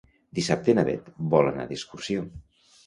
Dissabte na Beth vol anar d'excursió.